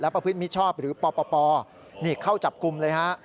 ประพฤติมิชชอบหรือปปนี่เข้าจับกลุ่มเลยฮะ